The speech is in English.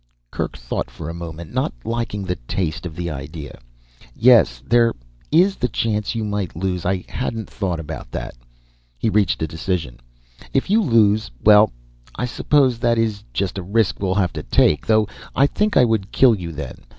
Kerk thought for a moment, not liking the taste of the idea. "Yes there is the chance you might lose, I hadn't thought about that." He reached a decision. "If you lose well I suppose that is just a risk we will have to take. Though I think I would kill you then.